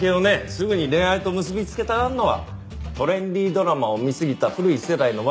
すぐに恋愛と結び付けたがるのはトレンディードラマを見すぎた古い世代の悪い癖よ。